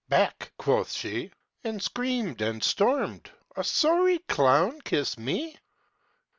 "Back," quoth she, And screamed and stormed; "a sorry clown kiss me?